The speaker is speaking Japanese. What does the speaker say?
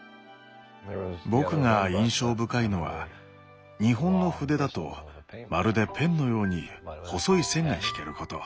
僕が印象深いのは日本の筆だとまるでペンのように細い線が引けること。